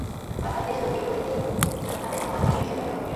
তাঁর বাড়িতে এসে জৈব সার তৈরির কাজে হাতেখড়ি নিয়েছেন তাঁদের অনেকে।